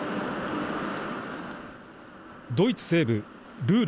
ドイツ西部ルール